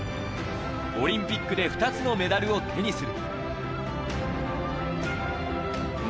オリンピックで２つのメダルを手にする。